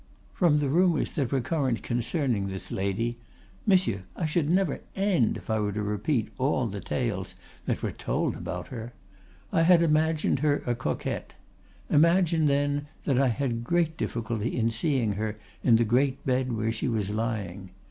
From the rumors that were current concerning this lady (monsieur, I should never end if I were to repeat all the tales that were told about her), I had imagined her a coquette. Imagine, then, that I had great difficulty in seeing her in the great bed where she was lying.